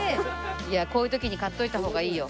いやこういう時に買っといた方がいいよ。